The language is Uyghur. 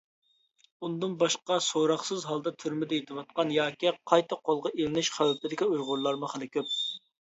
ئۇندىن باشقا سوراقسىز ھالدا تۈرمىدە يېتىۋاتقان ياكى قايتا قولغا ئېلىنىش خەۋپىدىكى ئۇيغۇرلارمۇ خېلى كۆپ.